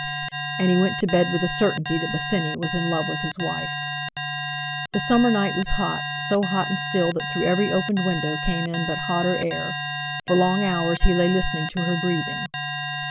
And he went to bed with the certainty that Bosinney was in love with his wife. The summer night was hot, so hot and still that through every opened window came in but hotter air. For long hours he lay listening to her breathing.